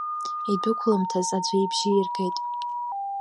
Идәықәламҭаз аӡә ибжьы иргет…